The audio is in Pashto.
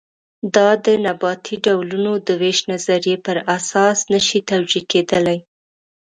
دا د نباتي ډولونو د وېش نظریې پر اساس نه شي توجیه کېدلی.